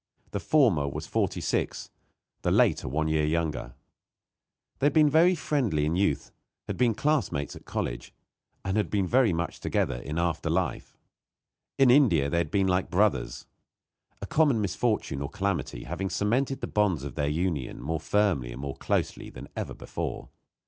The former was forty six, the later one year younger. They had been friendly in youth, had been classmates at college, and had been much together in after life. In India they had been like brothers, a common misfortune, or calamity, having cemented the bonds of their union more firmly and more closely than ever before.